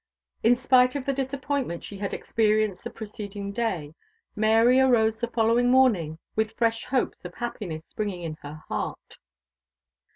In spite of the disappointment she had experienced the preceding day, Mary arose the following morning with fresh hopes of happiness springing in her heart.